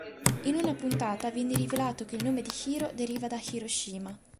In una puntata viene rivelato che il nome di Hiro deriva da Hiroshima.